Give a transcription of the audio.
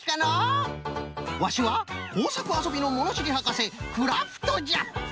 ワシは工作あそびのものしりはかせクラフトじゃ。